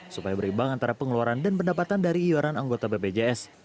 supaya berimbang antara pengeluaran dan pendapatan dari iwaran anggota bpjs